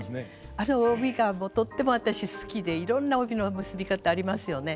あの帯がとっても私好きでいろんな帯の結び方ありますよね。